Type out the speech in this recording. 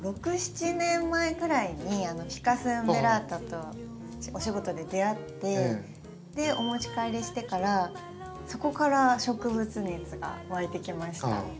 ６７年前ぐらいにフィカス・ウンベラ―タとお仕事で出会ってお持ち帰りしてからそこから植物熱がわいてきました。